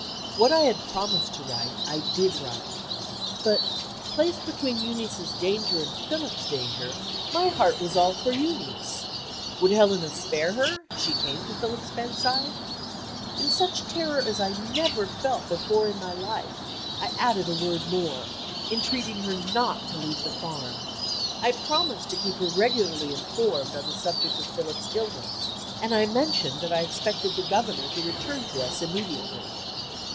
What I had promised to write, I did write. But, placed between Euneece's danger and Philip's danger, my heart was all for Euneece. Would Helena spare her, if she came to Philip's bedside? In such terror as I never felt before in my life, I added a word more, entreating her not to leave the farm. I promised to keep her regularly informed on the subject of Philip's illness; and I mentioned that I expected the Governor to return to us immediately.